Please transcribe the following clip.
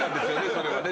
それはね